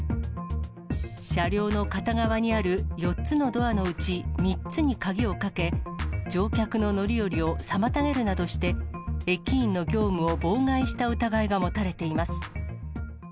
車両の片側にある４つのドアのうち３つに鍵をかけ、乗客の乗り降りを妨げるなどして、駅員の業務を妨害した疑いが持たれています。